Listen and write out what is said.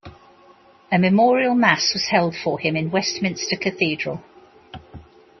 A memorial mass was held for him in Westminster Cathedral.